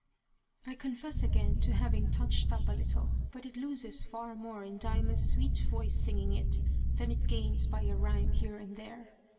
I confess again to having touched up a little, but it loses far more in Diamond's sweet voice singing it than it gains by a rhyme here and there.